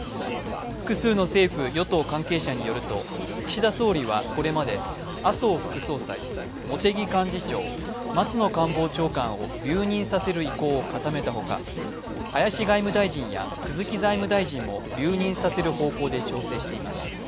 複数の政府・与党関係者によると、岸田総理はこれまで麻生副総裁、茂木幹事長、松野官房長官を留任させる意向を固めたほか林外務大臣や鈴木財務大臣も留任させる方向で検討を進めています。